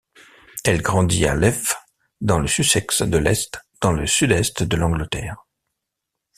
Elle grandit à Lewes dans le Sussex de l'Est, dans le sud-est de l'Angleterre.